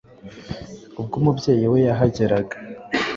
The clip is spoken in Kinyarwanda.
ubwo umubyeyi we yahageraga